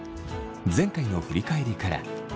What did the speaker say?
前回の振り返りから。